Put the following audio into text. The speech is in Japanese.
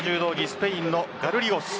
スペインのガルリゴス。